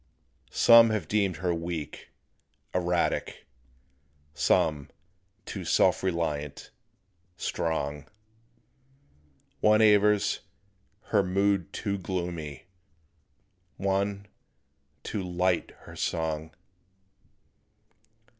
Some have deemed her weak, erratic. Some, too self reliant, strong; One avers, her mood too gloomy; One, too light her song.